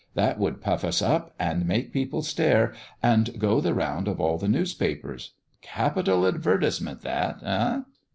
That would puff us up, and make people stare, and go the round of all the newspapers. Capital advertisement that, eh!